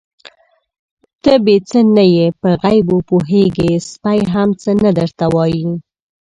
_ته بې څه نه يې، په غيبو پوهېږې، سپی هم څه نه درته وايي.